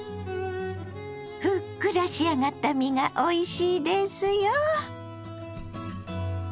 ふっくら仕上がった身がおいしいですよ。